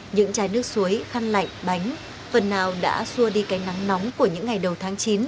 những chai nước suối khăn lạnh bánh phần nào đã xua đi cái nắng nóng của những ngày đầu tháng chín